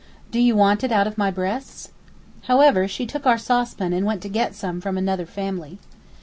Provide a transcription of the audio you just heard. Do you want it out of my breasts?' However, she took our saucepan and went to get some from another family.